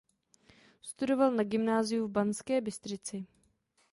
Studoval na gymnáziu v Banské Bystrici.